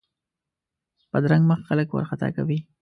بدرنګه مخ خلک وارخطا کوي